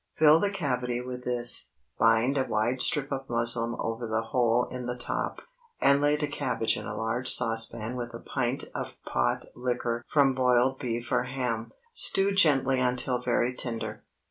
Fill the cavity with this, bind a wide strip of muslin over the hole in the top, and lay the cabbage in a large saucepan with a pint of "pot liquor" from boiled beef or ham. Stew gently until very tender.